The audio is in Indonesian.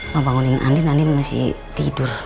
mau bangunin andin andin masih tidur